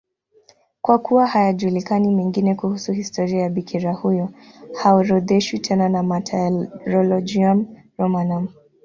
Kwa kuwa hayajulikani mengine kuhusu historia ya bikira huyo, haorodheshwi tena na Martyrologium Romanum.